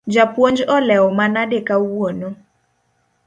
Japuonj olewo manade kawuono?